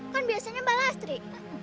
kan biasanya mbak lastri